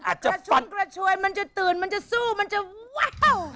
อาจจะชนกระชวยมันจะตื่นมันจะสู้มันจะว้าว